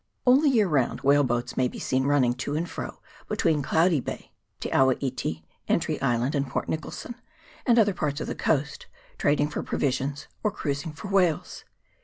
All the year round whale boats may be seen running to and fro between Cloudy Bay and Te awa iti, Entry Island and Port Nicholson, and other parts of the coast, trading for provisions or cruising for whales.